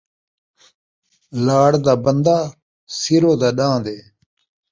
لاڑ دا بن٘دا ، سرو دا ݙان٘د ہے